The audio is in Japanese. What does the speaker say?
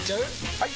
・はい！